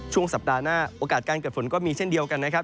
ช่วงสัปดาห์หน้าโอกาสการเกิดฝนก็มีเช่นเดียวกันนะครับ